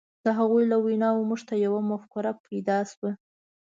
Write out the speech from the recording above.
د هغوی له ویناوو موږ ته یوه مفکوره پیدا شوه.